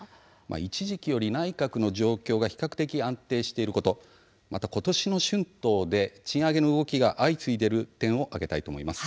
一時期より内閣の状況が比較的、安定していることまた、今年の春闘で賃上げの動きが相次いでいる点を挙げたいと思います。